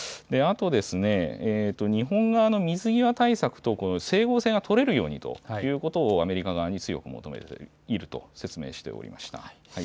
あと、日本側の水際対策と整合性が取れるようにということを、アメリカ側に強く求めていると説明しておりました。